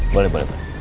boleh boleh pak